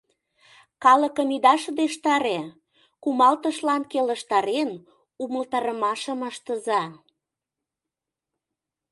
Калыкым ида шыдештаре, кумалтышлан келыштарен, умылтарымашым ыштыза...»